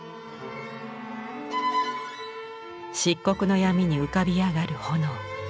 漆黒の闇に浮かび上がる炎。